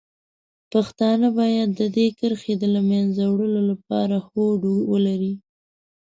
پښتانه باید د دې کرښې د له منځه وړلو لپاره هوډ ولري.